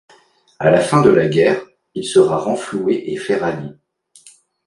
À la fin de la guerre, il sera renfloué et ferraillé.